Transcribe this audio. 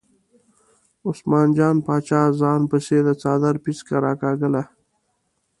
عثمان جان باچا ځان پسې د څادر پیڅکه راکاږله.